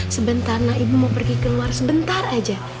sebentar ibu mau pergi keluar sebentar aja